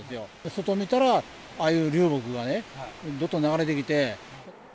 外見たら、ああいう流木がね、ずっと流れてきて。